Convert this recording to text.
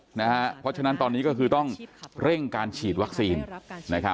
เพราะฉะนั้นตอนนี้ก็คือต้องเร่งการฉีดวัคซีน